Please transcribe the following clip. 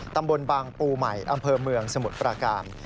ตำบลบางปูใหม่อำเภอเมืองสมุทรปราการ